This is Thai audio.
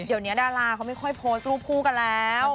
เดี๋ยวนี้ดาราเขาไม่ค่อยโพสต์รูปคู่กันแล้ว